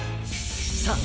さあ！